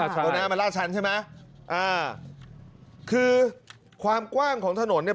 ตรงนั้นมันลาดชันใช่ไหมอ่าคือความกว้างของถนนเนี่ย